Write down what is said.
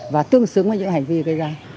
và tương xứng với những hành vi gây ra